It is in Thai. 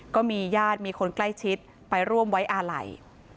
ก็มีญาติมีคนใกล้ชิดไปร่วมไว้อาลัย